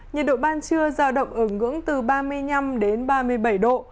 nhiệt độ ban trưa giao động ở ngưỡng từ ba mươi năm đến ba mươi bảy độ